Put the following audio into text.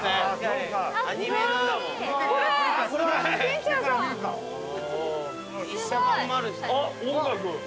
あっ音楽。